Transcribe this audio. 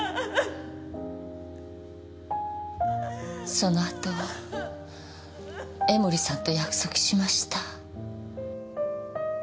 その後江守さんと約束しました。